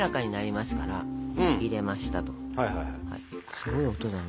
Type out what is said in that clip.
すごい音だな。